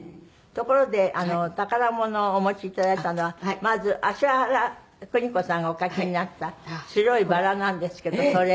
ところで宝物をお持ちいただいたのはまず葦原邦子さんがお描きになった白いバラなんですけどそれ。